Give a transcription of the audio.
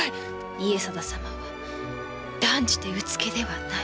家定様は断じてうつけではない。